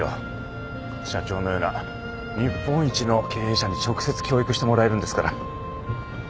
社長のような日本一の経営者に直接教育してもらえるんですから。